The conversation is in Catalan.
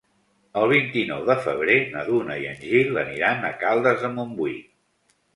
El vint-i-nou de febrer na Duna i en Gil aniran a Caldes de Montbui.